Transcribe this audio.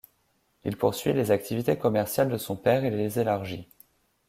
Il poursuit les activités commerciales de son père et les élargit.